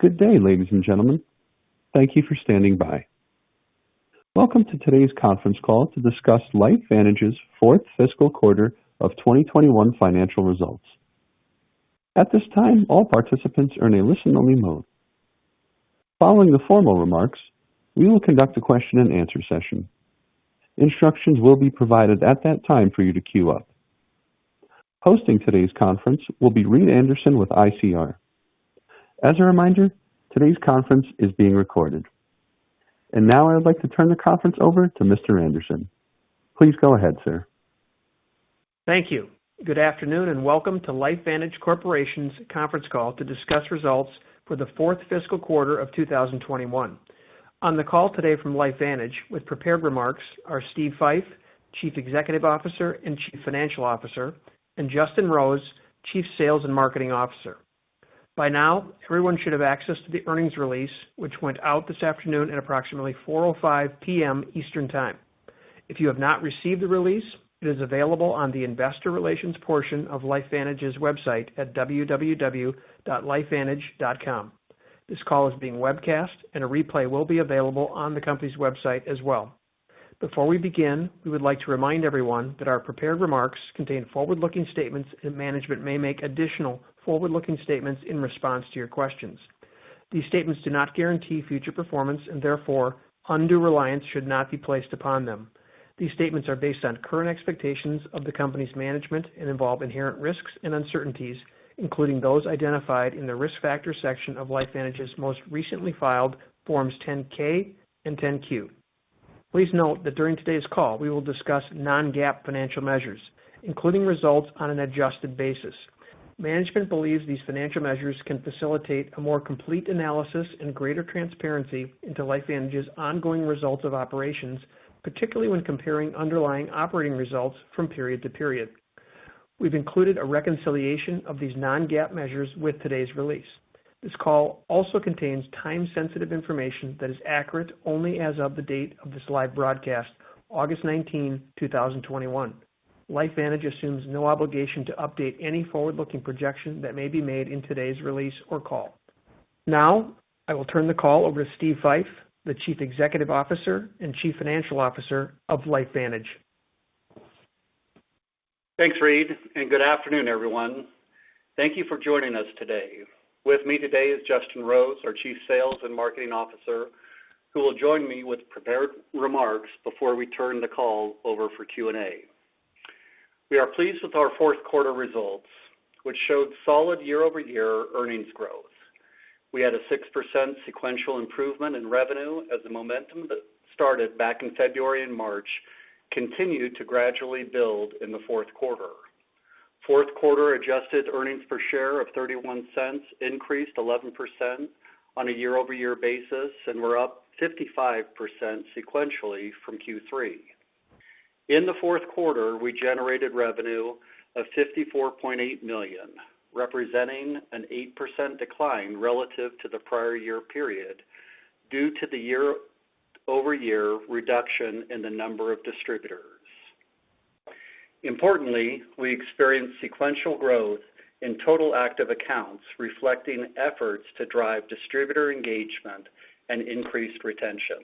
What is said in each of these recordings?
Good day, ladies and gentlemen. Thank you for standing by. Welcome to today's conference call to discuss LifeVantage's fourth fiscal quarter of 2021 financial results. At this time, all participants are in a listen-only mode. Following the formal remarks, we will conduct a question and answer session. Instructions will be provided at that time for you to queue up. Hosting today's conference will be Reed Anderson with ICR. As a reminder, today's conference is being recorded. Now I'd like to turn the conference over to Mr. Anderson. Please go ahead, sir. Thank you. Good afternoon and welcome to LifeVantage Corporation's conference call to discuss results for the fourth fiscal quarter of 2021. On the call today from LifeVantage with prepared remarks are Steve Fife, Chief Executive Officer and Chief Financial Officer, and Justin Rose, Chief Sales and Marketing Officer. By now, everyone should have access to the earnings release, which went out this afternoon at approximately 4:05 P.M. Eastern Time. If you have not received the release, it is available on the investor relations portion of LifeVantage's website at www.lifevantage.com. This call is being webcast, and a replay will be available on the company's website as well. Before we begin, we would like to remind everyone that our prepared remarks contain forward-looking statements and management may make additional forward-looking statements in response to your questions. These statements do not guarantee future performance and therefore undue reliance should not be placed upon them. These statements are based on current expectations of the company's management and involve inherent risks and uncertainties, including those identified in the Risk Factors section of LifeVantage's most recently filed Forms 10-K and 10-Q. Please note that during today's call, we will discuss non-GAAP financial measures, including results on an adjusted basis. Management believes these financial measures can facilitate a more complete analysis and greater transparency into LifeVantage's ongoing results of operations, particularly when comparing underlying operating results from period to period. We've included a reconciliation of these non-GAAP measures with today's release. This call also contains time-sensitive information that is accurate only as of the date of this live broadcast, August 19, 2021. LifeVantage assumes no obligation to update any forward-looking projection that may be made in today's release or call. Now, I will turn the call over to Steve Fife, the Chief Executive Officer and Chief Financial Officer of LifeVantage. Thanks, Reed. Good afternoon, everyone. Thank you for joining us today. With me today is Justin Rose, our Chief Sales and Marketing Officer, who will join me with prepared remarks before we turn the call over for Q&A. We are pleased with our fourth quarter results, which showed solid year-over-year earnings growth. We had a 6% sequential improvement in revenue as the momentum that started back in February and March continued to gradually build in the fourth quarter. Fourth quarter adjusted earnings per share of $0.31 increased 11% on a year-over-year basis, and we're up 55% sequentially from Q3. In the fourth quarter, we generated revenue of $54.8 million, representing an 8% decline relative to the prior year period due to the year-over-year reduction in the number of distributors. Importantly, we experienced sequential growth in total active accounts reflecting efforts to drive distributor engagement and increase retention.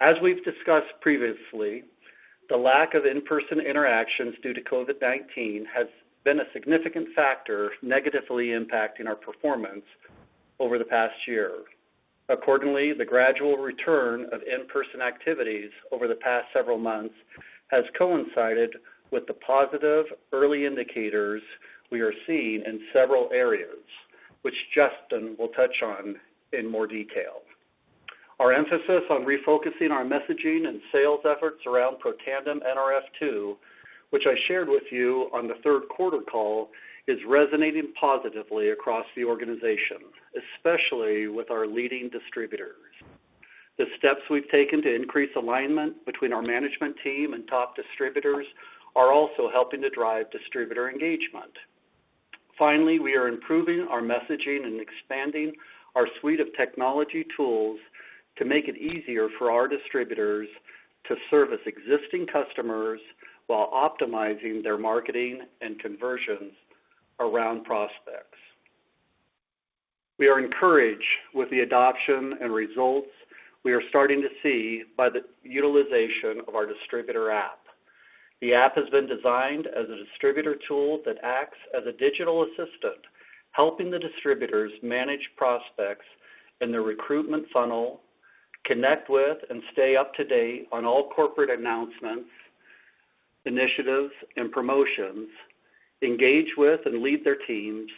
As we've discussed previously, the lack of in-person interactions due to COVID-19 has been a significant factor negatively impacting our performance over the past year. Accordingly, the gradual return of in-person activities over the past several months has coincided with the positive early indicators we are seeing in several areas, which Justin will touch on in more detail. Our emphasis on refocusing our messaging and sales efforts around Protandim Nrf2, which I shared with you on the third quarter call, is resonating positively across the organization, especially with our leading distributors. The steps we've taken to increase alignment between our management team and top distributors are also helping to drive distributor engagement. Finally, we are improving our messaging and expanding our suite of technology tools to make it easier for our distributors to service existing customers while optimizing their marketing and conversions around prospects. We are encouraged with the adoption and results we are starting to see by the utilization of our distributor app. The app has been designed as a distributor tool that acts as a digital assistant, helping the distributors manage prospects in the recruitment funnel, connect with and stay up to date on all corporate announcements, initiatives, and promotions, engage with and lead their teams,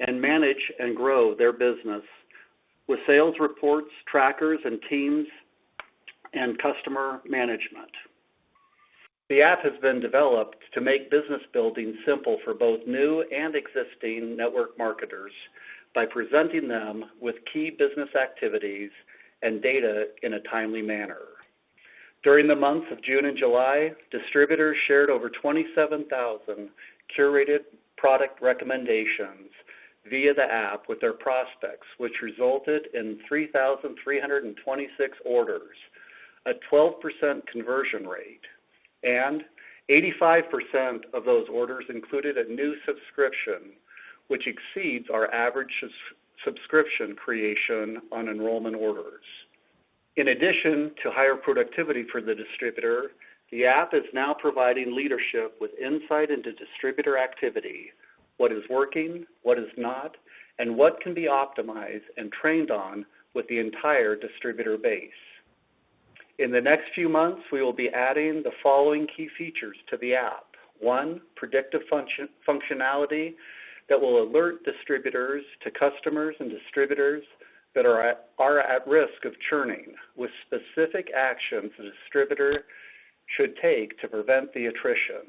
and manage and grow their business with sales reports, trackers, and teams and customer management. The app has been developed to make business building simple for both new and existing network marketers by presenting them with key business activities and data in a timely manner. During the months of June and July, distributors shared over 27,000 curated product recommendations via the app with their prospects, which resulted in 3,326 orders, a 12% conversion rate, and 85% of those orders included a new subscription, which exceeds our average subscription creation on enrollment orders. In addition to higher productivity for the distributor, the app is now providing leadership with insight into distributor activity, what is working, what is not, and what can be optimized and trained on with the entire distributor base. In the next few months, we will be adding the following key features to the app. One, predictive functionality that will alert distributors to customers and distributors that are at risk of churning, with specific actions a distributor should take to prevent the attrition.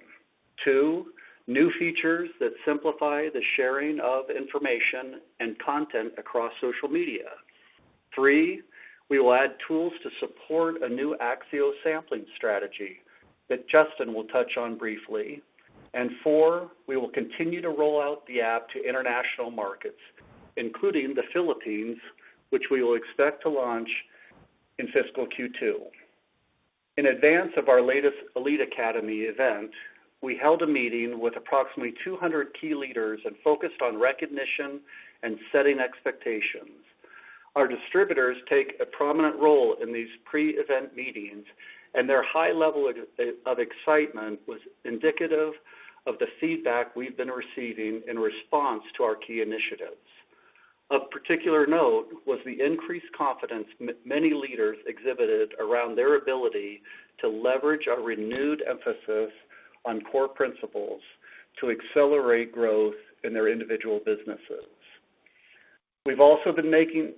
Two, new features that simplify the sharing of information and content across social media. Three, we will add tools to support a new AXIO sampling strategy that Justin will touch on briefly. Four, we will continue to roll out the app to international markets, including the Philippines, which we will expect to launch in fiscal Q2. In advance of our latest Elite Academy event, we held a meeting with approximately 200 key leaders and focused on recognition and setting expectations. Our distributors take a prominent role in these pre-event meetings, and their high level of excitement was indicative of the feedback we've been receiving in response to our key initiatives. Of particular note was the increased confidence many leaders exhibited around their ability to leverage our renewed emphasis on core principles to accelerate growth in their individual businesses. We've also been making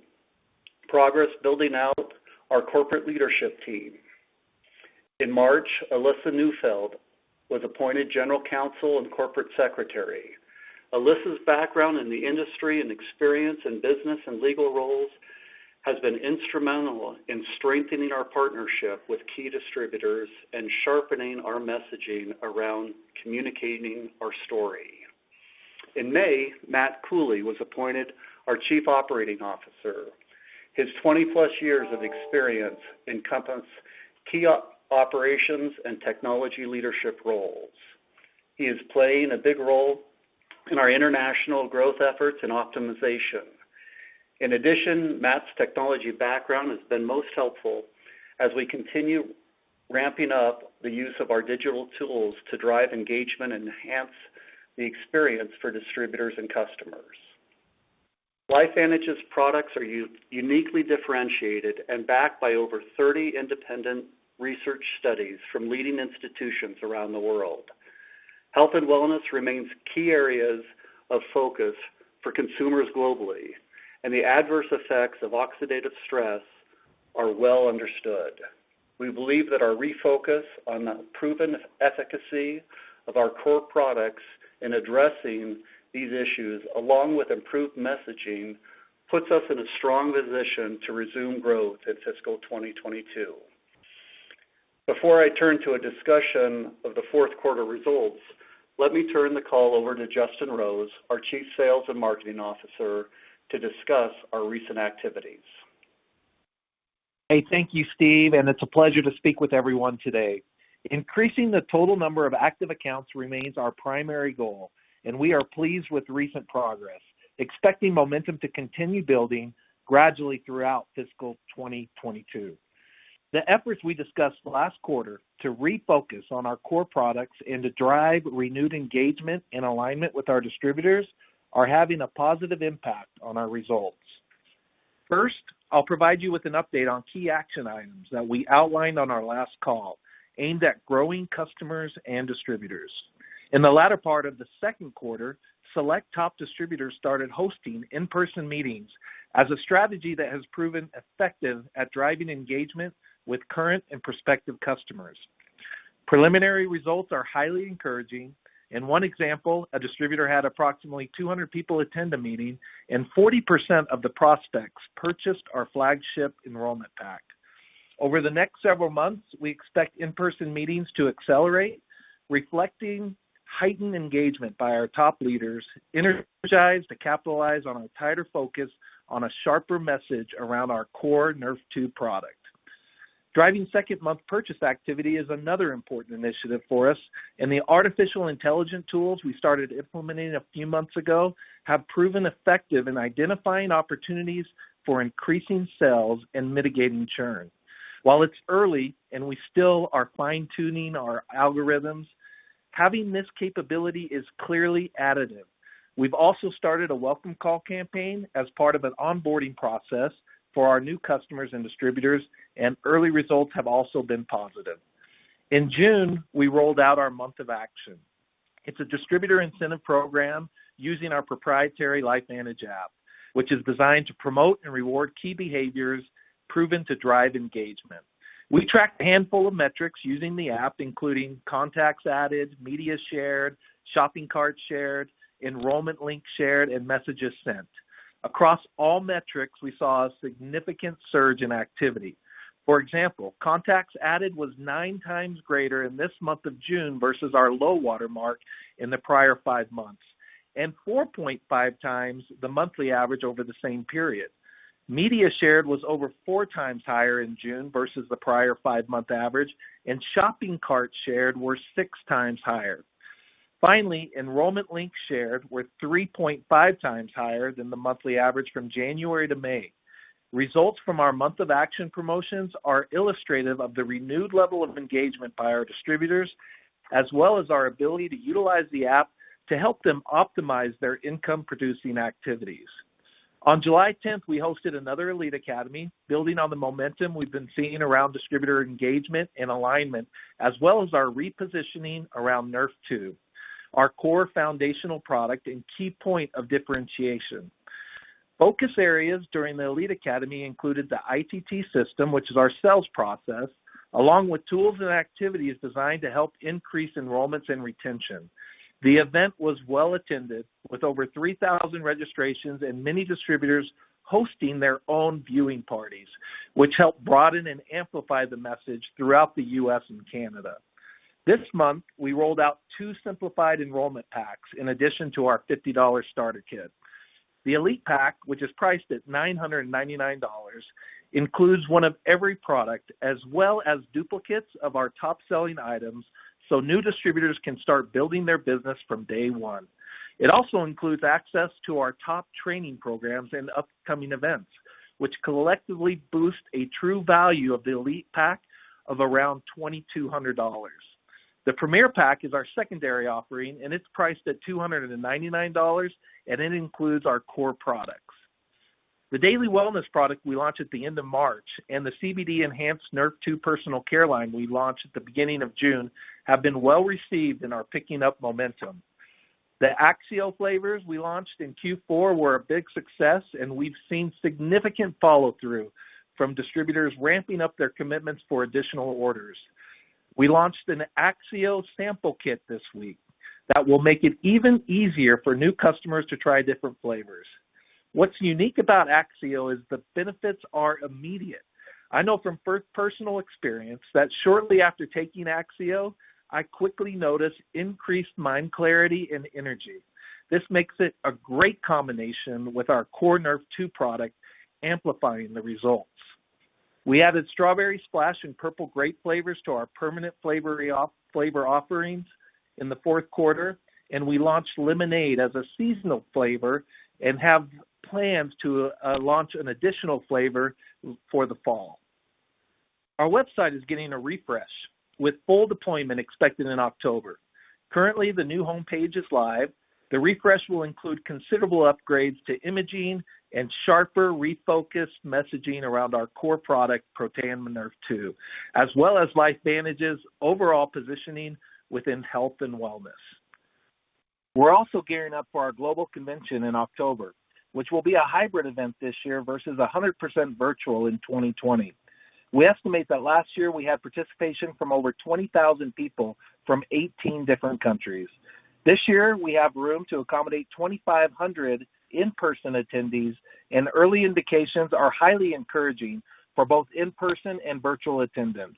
progress building out our corporate leadership team. In March, Alissa Neufeld was appointed general counsel and corporate secretary. Alissa's background in the industry and experience in business and legal roles has been instrumental in strengthening our partnership with key distributors and sharpening our messaging around communicating our story. In May, Matt Cooley was appointed our Chief Operating Officer. His 20-plus years of experience encompass key operations and technology leadership roles. He is playing a big role in our international growth efforts and optimization. In addition, Matt's technology background has been most helpful as we continue ramping up the use of our digital tools to drive engagement and enhance the experience for distributors and customers. LifeVantage's products are uniquely differentiated and backed by over 30 independent research studies from leading institutions around the world. Health and wellness remains key areas of focus for consumers globally, and the adverse effects of oxidative stress are well understood. We believe that our refocus on the proven efficacy of our core products in addressing these issues, along with improved messaging, puts us in a strong position to resume growth in fiscal 2022. Before I turn to a discussion of the fourth quarter results, let me turn the call over to Justin Rose, our Chief Sales and Marketing Officer, to discuss our recent activities. Hey. Thank you, Steve. It's a pleasure to speak with everyone today. Increasing the total number of active accounts remains our primary goal, and we are pleased with recent progress, expecting momentum to continue building gradually throughout fiscal 2022. The efforts we discussed last quarter to refocus on our core products and to drive renewed engagement and alignment with our distributors are having a positive impact on our results. First, I'll provide you with an update on key action items that we outlined on our last call aimed at growing customers and distributors. In the latter part of the second quarter, select top distributors started hosting in-person meetings as a strategy that has proven effective at driving engagement with current and prospective customers. Preliminary results are highly encouraging. In one example, a distributor had approximately 200 people attend a meeting, and 40% of the prospects purchased our flagship enrollment pack. Over the next several months, we expect in-person meetings to accelerate, reflecting heightened engagement by our top leaders energized to capitalize on a tighter focus on a sharper message around our core Nrf2 product. Driving second month purchase activity is another important initiative for us. The artificial intelligence tools we started implementing a few months ago have proven effective in identifying opportunities for increasing sales and mitigating churn. While it's early and we still are fine-tuning our algorithms, having this capability is clearly additive. We've also started a welcome call campaign as part of an onboarding process for our new customers and distributors, and early results have also been positive. In June, we rolled out our Month of Action. It's a distributor incentive program using our proprietary LifeVantage app, which is designed to promote and reward key behaviors proven to drive engagement. We tracked a handful of metrics using the app, including contacts added, media shared, shopping cart shared, enrollment link shared, and messages sent. Across all metrics, we saw a significant surge in activity. For example, contacts added was 9x greater in this month of June versus our low water mark in the prior five months. 4.5x the monthly average over the same period. Media shared was over 4x higher in June versus the prior five-month average, and shopping cart shared were 6x higher. Finally, enrollment link shared were 3.5x higher than the monthly average from January to May. Results from our Month of Action promotions are illustrative of the renewed level of engagement by our distributors, as well as our ability to utilize the app to help them optimize their income-producing activities. On July 10th, we hosted another Elite Academy, building on the momentum we've been seeing around distributor engagement and alignment, as well as our repositioning around Nrf2, our core foundational product and key point of differentiation. Focus areas during the Elite Academy included the I.T.T. system, which is our sales process, along with tools and activities designed to help increase enrollments and retention. The event was well attended, with over 3,000 registrations and many distributors hosting their own viewing parties, which helped broaden and amplify the message throughout the U.S. and Canada. This month, we rolled out two simplified enrollment packs in addition to our $50 starter kit. The Elite Pack, which is priced at $999, includes one of every product, as well as duplicates of our top-selling items, so new distributors can start building their business from day one. It also includes access to our top training programs and upcoming events, which collectively boost a true value of the Elite Pack of around $2,200. The Premier Pack is our secondary offering, and it's priced at $299, and it includes our core products. The Daily Wellness product we launched at the end of March and the CBD enhanced Nrf2 personal care line we launched at the beginning of June have been well received and are picking up momentum. The AXIO flavors we launched in Q4 were a big success, and we've seen significant follow-through from distributors ramping up their commitments for additional orders. We launched an AXIO sample kit this week that will make it even easier for new customers to try different flavors. What's unique about AXIO is the benefits are immediate. I know from personal experience that shortly after taking AXIO, I quickly noticed increased mind clarity and energy. This makes it a great combination with our core Nrf2 product, amplifying the results. We added Strawberry Splash and Purple Grape flavors to our permanent flavor offerings in the fourth quarter, and we launched Lemonade as a seasonal flavor and have plans to launch an additional flavor for the fall. Our website is getting a refresh, with full deployment expected in October. Currently, the new homepage is live. The refresh will include considerable upgrades to imaging and sharper refocused messaging around our core product, Protandim Nrf2, as well as LifeVantage's overall positioning within health and wellness. We're also gearing up for our global convention in October, which will be a hybrid event this year versus 100% virtual in 2020. We estimate that last year we had participation from over 20,000 people from 18 different countries. This year, we have room to accommodate 2,500 in-person attendees, and early indications are highly encouraging for both in-person and virtual attendance.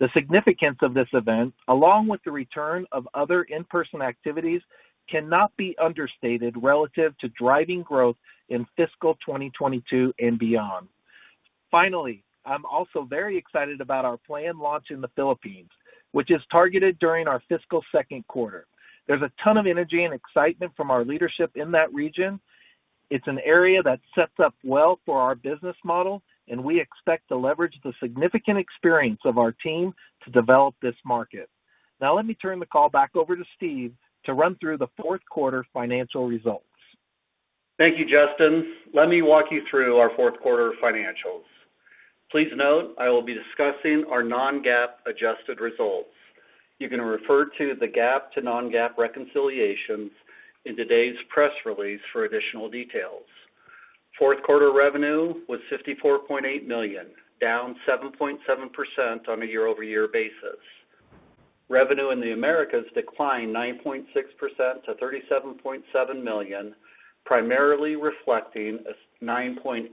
The significance of this event, along with the return of other in-person activities, cannot be understated relative to driving growth in fiscal 2022 and beyond. Finally, I'm also very excited about our planned launch in the Philippines, which is targeted during our fiscal second quarter. There's a ton of energy and excitement from our leadership in that region. It's an area that's set up well for our business model, and we expect to leverage the significant experience of our team to develop this market. Let me turn the call back over to Steve to run through the fourth quarter financial results. Thank you, Justin. Let me walk you through our fourth quarter financials. Please note, I will be discussing our non-GAAP adjusted results. You can refer to the GAAP to non-GAAP reconciliations in today's press release for additional details. Fourth quarter revenue was $54.8 million, down 7.7% on a year-over-year basis. Revenue in the Americas declined 9.6% to $37.7 million, primarily reflecting a 9.8%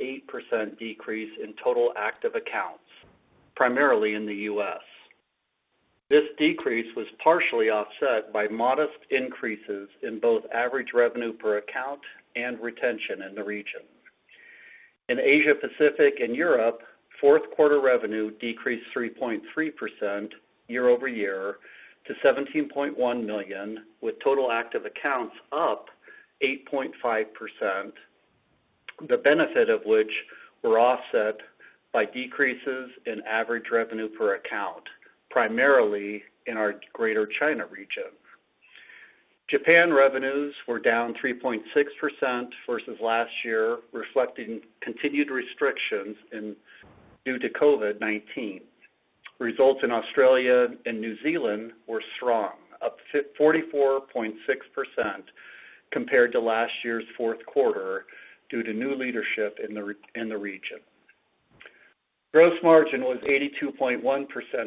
decrease in total active accounts, primarily in the U.S. This decrease was partially offset by modest increases in both average revenue per account and retention in the region. In Asia Pacific and Europe, fourth quarter revenue decreased 3.3% year-over-year to $17.1 million, with total active accounts up 8.5%, the benefit of which were offset by decreases in average revenue per account, primarily in our Greater China region. Japan revenues were down 3.6% versus last year, reflecting continued restrictions due to COVID-19. Results in Australia and New Zealand were strong, up 44.6% compared to last year's fourth quarter due to new leadership in the region. Gross margin was 82.1%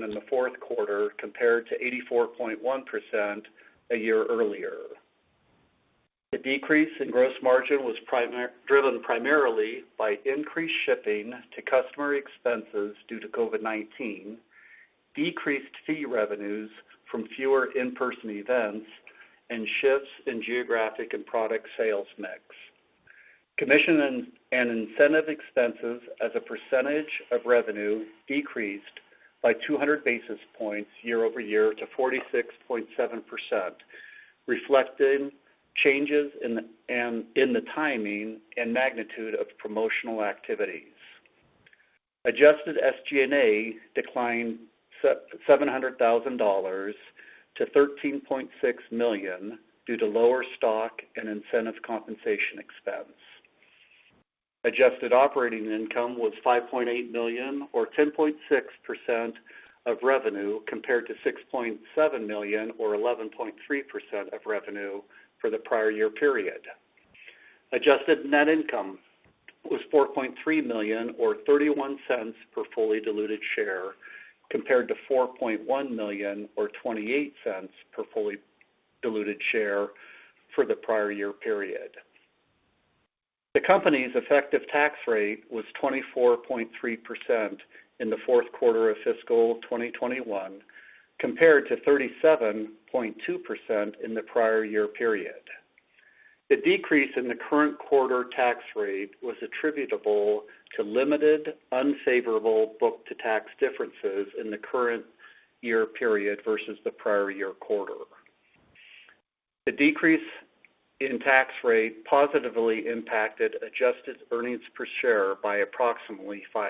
in the fourth quarter compared to 84.1% a year earlier. The decrease in gross margin was driven primarily by increased shipping to customer expenses due to COVID-19, decreased fee revenues from fewer in-person events and shifts in geographic and product sales mix. Commission and incentive expenses as a percentage of revenue decreased by 200 basis points year-over-year to 46.7%, reflecting changes in the timing and magnitude of promotional activities. Adjusted SG&A declined $700,000 to $13.6 million due to lower stock and incentive compensation expense. Adjusted operating income was $5.8 million or 10.6% of revenue compared to $6.7 million or 11.3% of revenue for the prior year period. Adjusted net income was $4.3 million or $0.31 per fully diluted share compared to $4.1 million or $0.28 per fully diluted share for the prior year period. The company's effective tax rate was 24.3% in the fourth quarter of fiscal 2021 compared to 37.2% in the prior year period. The decrease in the current quarter tax rate was attributable to limited unfavorable book-to-tax differences in the current year period versus the prior year quarter. The decrease in tax rate positively impacted adjusted earnings per share by approximately $0.05.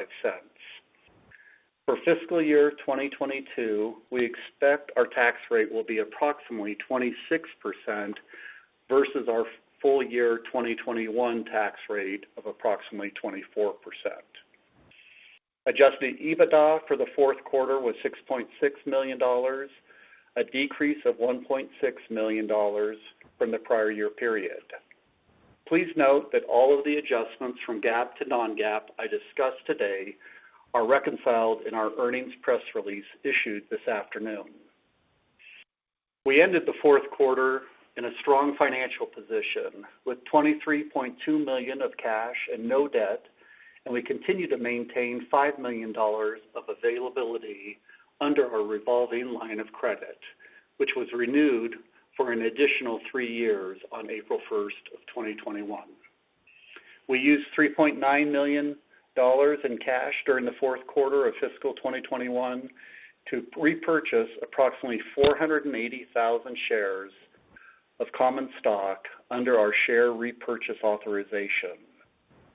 For fiscal year 2022, we expect our tax rate will be approximately 26% versus our full year 2021 tax rate of approximately 24%. Adjusted EBITDA for the fourth quarter was $6.6 million, a decrease of $1.6 million from the prior year period. Please note that all of the adjustments from GAAP to non-GAAP I discussed today are reconciled in our earnings press release issued this afternoon. We ended the fourth quarter in a strong financial position with $23.2 million of cash and no debt, and we continue to maintain $5 million of availability under our revolving line of credit, which was renewed for an additional three years on April 1st, 2021. We used $3.9 million in cash during the fourth quarter of fiscal 2021 to repurchase approximately 480,000 shares of common stock under our share repurchase authorization.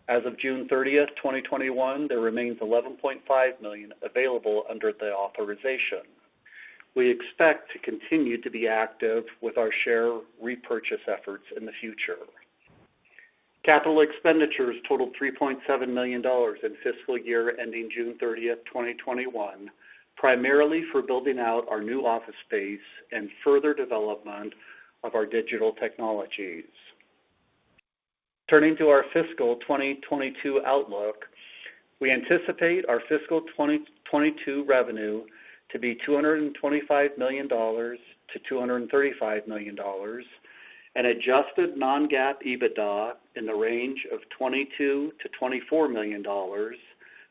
As of June 30th, 2021, there remains $11.5 million available under the authorization. We expect to continue to be active with our share repurchase efforts in the future. Capital expenditures totaled $3.7 million in fiscal year ending June 30th, 2021, primarily for building out our new office space and further development of our digital technologies. Turning to our fiscal 2022 outlook, we anticipate our fiscal 2022 revenue to be $225 million-$235 million, and adjusted non-GAAP EBITDA in the range of $22 million-$24 million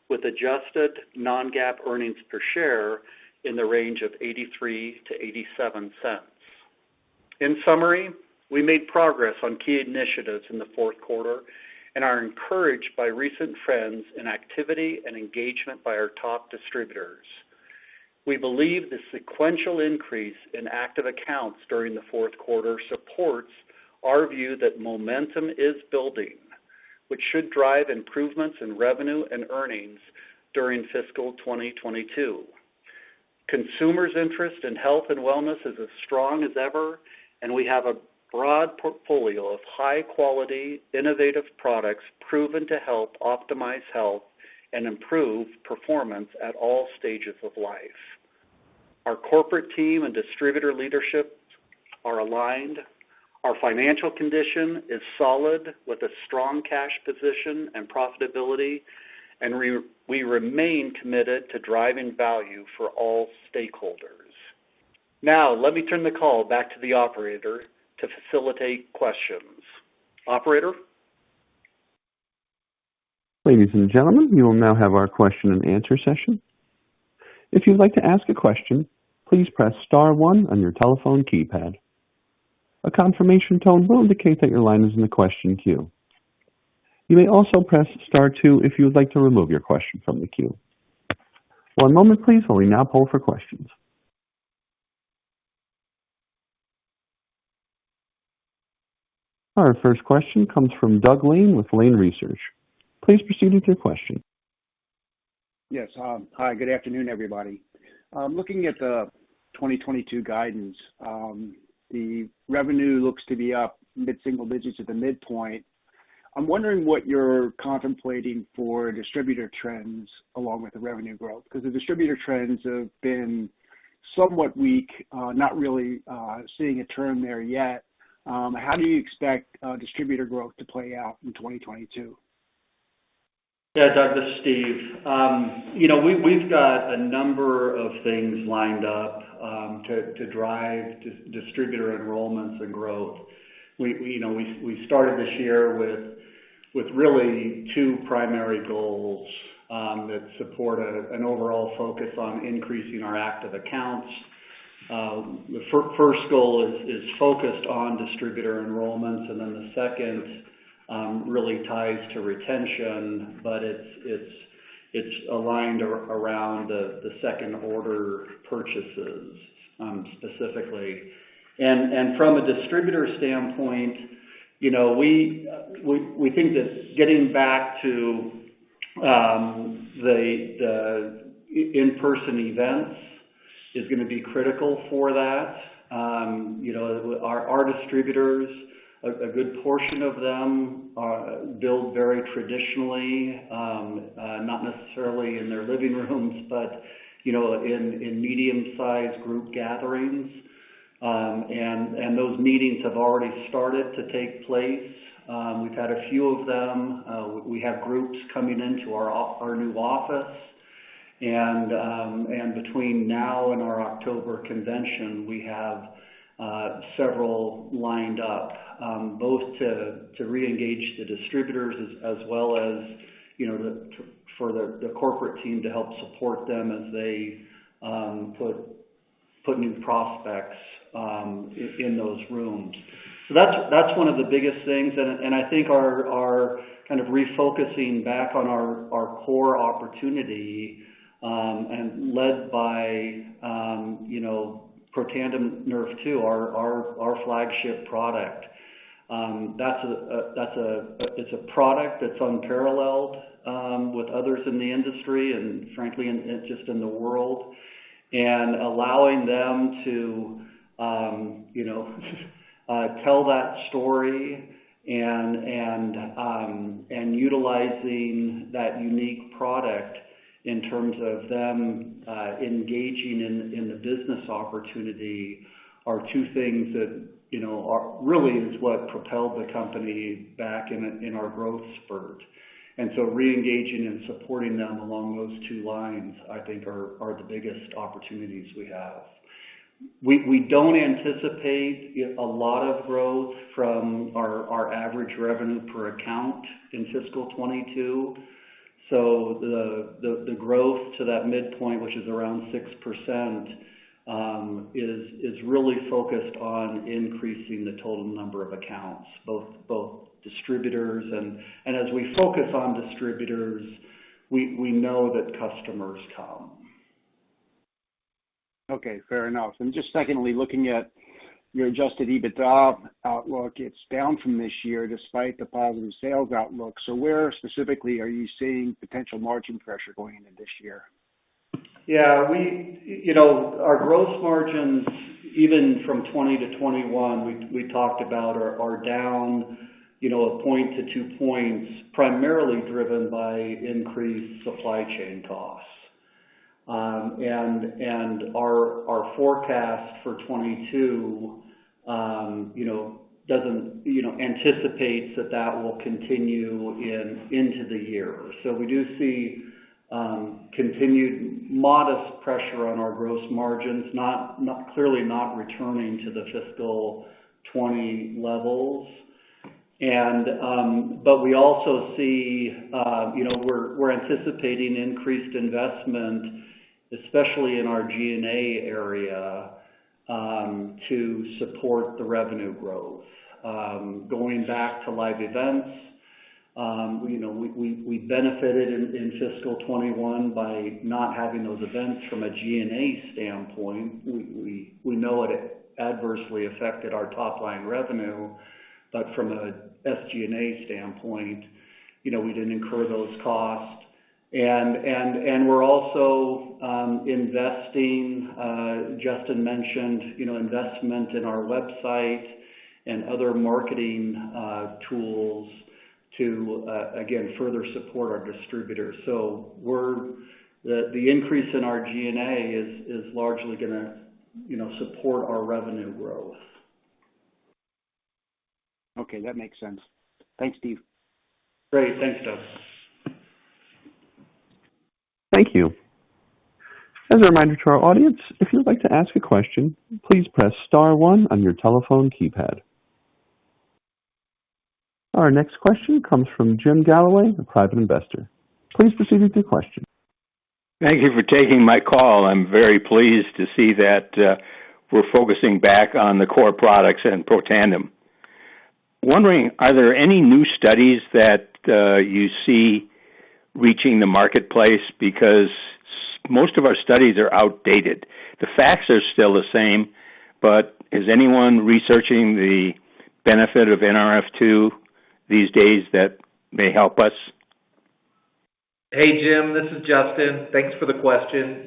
with adjusted non-GAAP earnings per share in the range of $0.83-$0.87. In summary, we made progress on key initiatives in the fourth quarter and are encouraged by recent trends in activity and engagement by our top distributors. We believe the sequential increase in active accounts during the fourth quarter supports our view that momentum is building, which should drive improvements in revenue and earnings during fiscal 2022. Consumers' interest in health and wellness is as strong as ever, and we have a broad portfolio of high-quality, innovative products proven to help optimize health and improve performance at all stages of life. Our corporate team and distributor leadership are aligned. Our financial condition is solid with a strong cash position and profitability, and we remain committed to driving value for all stakeholders. Now, let me turn the call back to the operator to facilitate questions. Operator? Ladies and gentlemen, we will now have our question and answer session. If you'd like to ask a question, please press star one on your telephone keypad. A confirmation tone will indicate that your line is in the question queue. You may also press star two if you'd like to remove your question from the queue. For a moment please while we now poll for questions. Our first question comes from Doug Lane with Lane Research. Please proceed with your question. Yes. Hi, good afternoon, everybody. Looking at the 2022 guidance, the revenue looks to be up mid-single digits at the midpoint. I'm wondering what you're contemplating for distributor trends along with the revenue growth, because the distributor trends have been somewhat weak, not really seeing a turn there yet. How do you expect distributor growth to play out in 2022? Yeah, Doug, this is Steve. We've got a number of things lined up to drive distributor enrollments and growth. We started this year with really two primary goals that support an overall focus on increasing our active accounts. The first goal is focused on distributor enrollments, then the second really ties to retention, but it's aligned around the second-order purchases specifically. From a distributor standpoint, we think that getting back to the in-person events is going to be critical for that. Our distributors, a good portion of them build very traditionally, not necessarily in their living rooms, but in medium-sized group gatherings. Those meetings have already started to take place. We've had a few of them. We have groups coming into our new office. Between now and our October convention, we have several lined up, both to reengage the distributors as well as for the corporate team to help support them as they put new prospects in those rooms. That's one of the biggest things, and I think our refocusing back on our core opportunity and led by Protandim Nrf2, our flagship product. It's a product that's unparalleled with others in the industry, and frankly, just in the world. Allowing them to tell that story and utilizing that unique product in terms of them engaging in the business opportunity are two things that really is what propelled the company back in our growth spurt. Reengaging and supporting them along those two lines, I think, are the biggest opportunities we have. We don't anticipate a lot of growth from our average revenue per account in fiscal 2022. The growth to that midpoint, which is around 6%, is really focused on increasing the total number of accounts, both distributors, and as we focus on distributors, we know that customers come. Okay, fair enough. Just secondly, looking at your adjusted EBITDA outlook, it's down from this year despite the positive sales outlook. Where specifically are you seeing potential margin pressure going into this year? Our gross margins, even from 2020 to 2021, we talked about are down 1 point to 2 points, primarily driven by increased supply chain costs. Our forecast for 2022 anticipates that that will continue into the year. We do see continued modest pressure on our gross margins, clearly not returning to the fiscal 2020 levels. We also see we're anticipating increased investment, especially in our G&A area, to support the revenue growth. Going back to live events, we benefited in fiscal 2021 by not having those events from a G&A standpoint. We know it adversely affected our top-line revenue. From a SG&A standpoint, we didn't incur those costs. We're also investing, Justin mentioned, investment in our website and other marketing tools to, again, further support our distributors. The increase in our G&A is largely going to support our revenue growth. Okay. That makes sense. Thanks, Steve. Great. Thanks, Doug. Thank you. As a reminder to our audience, if you'd like to ask a question, please press star one on your telephone keypad. Our next question comes from Jim Galloway, a private investor. Please proceed with your question. Thank you for taking my call. I'm very pleased to see that we're focusing back on the core products and Protandim. Wondering, are there any new studies that you see reaching the marketplace? Because most of our studies are outdated. The facts are still the same, but is anyone researching the benefit of Nrf2 these days that may help us? Hey, Jim. This is Justin. Thanks for the question.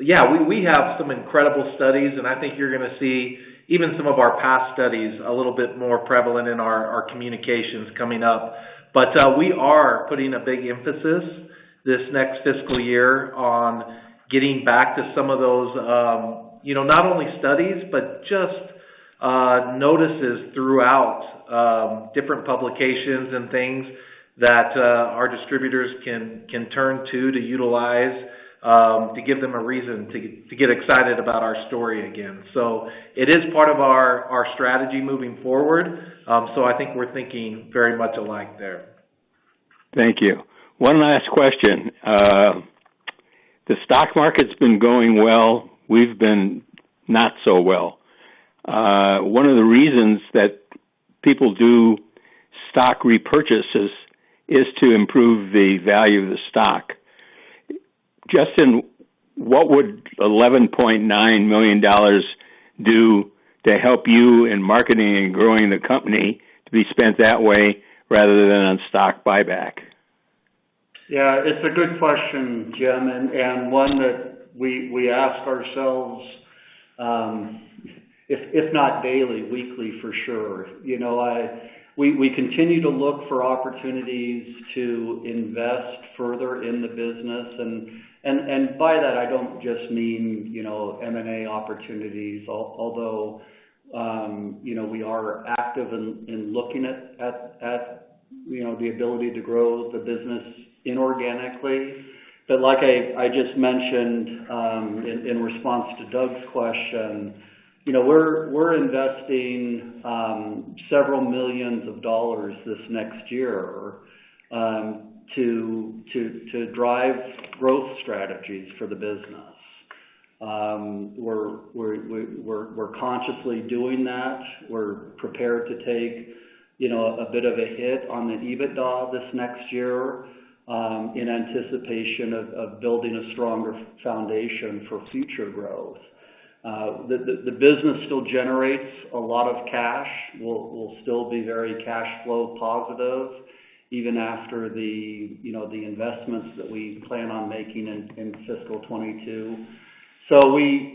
Yeah, we have some incredible studies, and I think you're going to see even some of our past studies a little bit more prevalent in our communications coming up. We are putting a big emphasis this next fiscal year on getting back to some of those, not only studies, but just notices throughout different publications and things that our distributors can turn to utilize, to give them a reason to get excited about our story again. It is part of our strategy moving forward. I think we're thinking very much alike there. Thank you. One last question. The stock market's been going well, we've been not so well. One of the reasons that people do stock repurchases is to improve the value of the stock. Justin, what would $11.9 million do to help you in marketing and growing the company to be spent that way, rather than on stock buyback? Yeah, it's a good question, Jim, and one that we ask ourselves, if not daily, weekly for sure. We continue to look for opportunities to invest further in the business, and by that, I don't just mean M&A opportunities, although we are active in looking at the ability to grow the business inorganically. Like I just mentioned in response to Doug's question, we're investing several millions of dollars this next year to drive growth strategies for the business. We're consciously doing that. We're prepared to take a bit of a hit on the EBITDA this next year in anticipation of building a stronger foundation for future growth. The business still generates a lot of cash. We'll still be very cash flow positive even after the investments that we plan on making in fiscal 2022.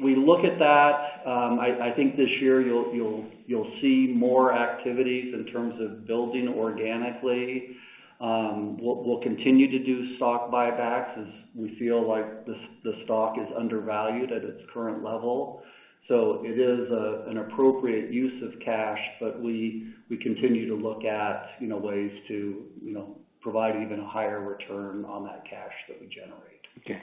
We look at that. I think this year you'll see more activities in terms of building organically. We'll continue to do stock buybacks as we feel like the stock is undervalued at its current level. It is an appropriate use of cash, but we continue to look at ways to provide even a higher return on that cash that we generate. Okay.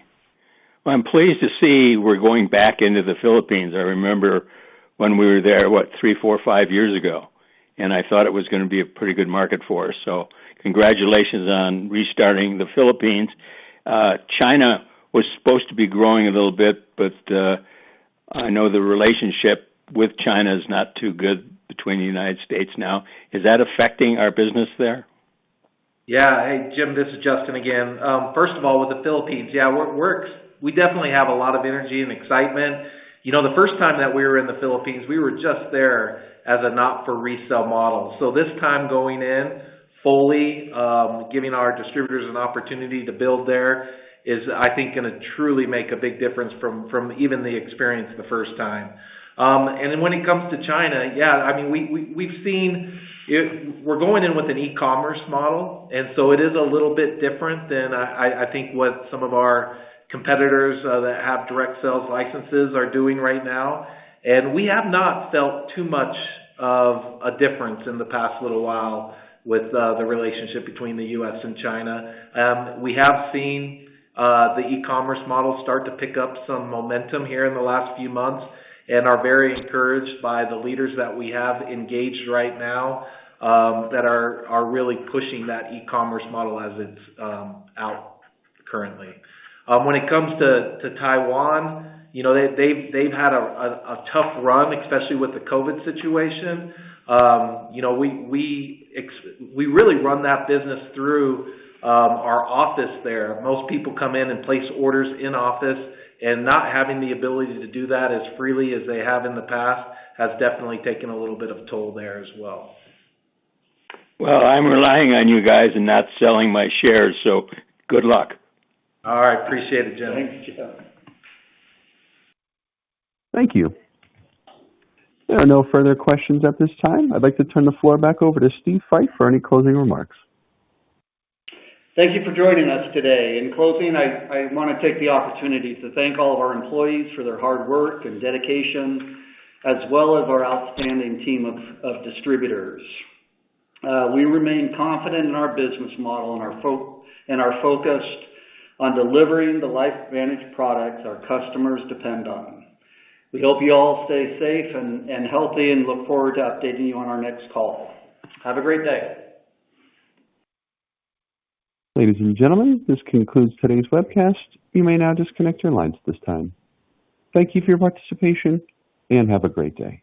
Well, I'm pleased to see we're going back into the Philippines. I remember when we were there, what, three, four, five years ago, and I thought it was going to be a pretty good market for us. Congratulations on restarting the Philippines. China was supposed to be growing a little bit, I know the relationship with China is not too good between the United States now. Is that affecting our business there? Hey, Jim, this is Justin again. First of all, with the Philippines, yeah, we definitely have a lot of energy and excitement. The first time that we were in the Philippines, we were just there as a not-for-resale model. This time going in fully, giving our distributors an opportunity to build there is, I think, going to truly make a big difference from even the experience the first time. When it comes to China, yeah, we're going in with an e-commerce model, it is a little bit different than I think what some of our competitors that have direct sales licenses are doing right now. We have not felt too much of a difference in the past little while with the relationship between the U.S. and China. We have seen the e-commerce model start to pick up some momentum here in the last few months and are very encouraged by the leaders that we have engaged right now that are really pushing that e-commerce model as it's out currently. When it comes to Taiwan, they've had a tough run, especially with the COVID situation. We really run that business through our office there. Most people come in and place orders in office, and not having the ability to do that as freely as they have in the past has definitely taken a little bit of a toll there as well. I'm relying on you guys and not selling my shares, so good luck. All right. Appreciate it, Jim. Thank you, Jim. Thank you. There are no further questions at this time. I'd like to turn the floor back over to Steve Fife for any closing remarks. Thank you for joining us today. In closing, I want to take the opportunity to thank all of our employees for their hard work and dedication, as well as our outstanding team of distributors. We remain confident in our business model and are focused on delivering the LifeVantage products our customers depend on. We hope you all stay safe and healthy and look forward to updating you on our next call. Have a great day. Ladies and gentlemen, this concludes today's webcast. You may now disconnect your lines at this time. Thank you for your participation, and have a great day.